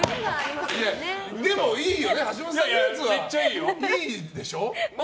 でも、いいよね橋本さんのやつはいいでしょ。